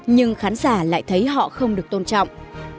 nhưng khán giả lại thấy họ không được tôn trọng